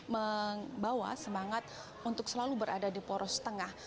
membawa semangat untuk selalu berada di poros tengah